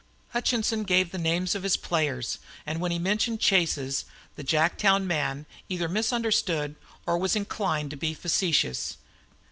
Hutchinson gave the names of his players, and when he mentioned Chase's the Jacktown man either misunderstood or was inclined to be facetious.